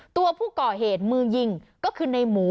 ตัวผู้ก่อเหตุมือยิงก็คือในหมู